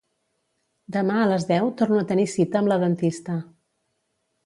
Demà a les deu torno a tenir cita amb la dentista